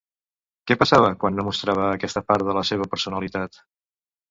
Què passava quan no mostrava aquesta part de la seva personalitat?